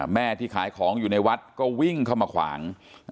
แม่ที่ขายของอยู่ในวัดก็วิ่งเข้ามาขวาง